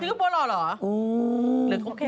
จิโกโปะหล่อเหรอ